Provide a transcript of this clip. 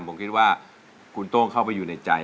ผมคิดว่าคุณโต้งเข้าไปอยู่ในใจ